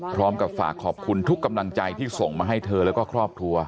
พร้อมกับฝากขอบคุณทุกกำลังใจที่ส่งมาให้เธอแล้วก็ครอบครัว